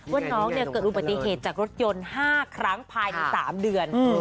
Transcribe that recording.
ว่าน้องเกิดอุบัติเหตุจากรถยนต์๕ครั้งภายใน๓เดือน